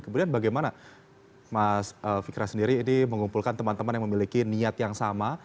kemudian bagaimana mas fikra sendiri ini mengumpulkan teman teman yang memiliki niat yang sama